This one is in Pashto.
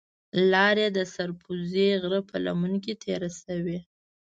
لار یې د سر پوزې غره په لمن کې تېره شوې.